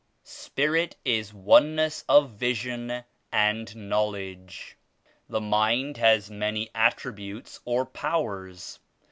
Spirit is Oneness of vision and Knowledge. The mind has many attributes or powers.